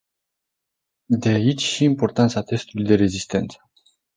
De aici și importanța testului de rezistență.